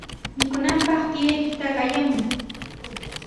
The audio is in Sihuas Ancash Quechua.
Mikunanpaq tiyaykita qayamuy.